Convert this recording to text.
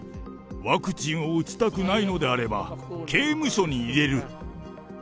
ワクチンを打ちたくないのであれば、刑務所に入れる。